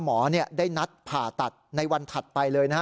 หมอได้นัดผ่าตัดในวันถัดไปเลยนะฮะ